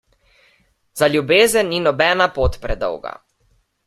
Za ljubezen ni nobena pot predolga.